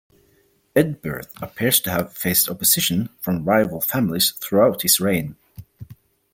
Eadberht appears to have faced opposition from rival families throughout his reign.